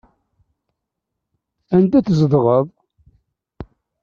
Anda tzedɣeḍ?